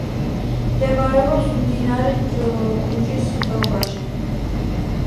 მდებარეობს მდინარე ბუჯის ხეობაში.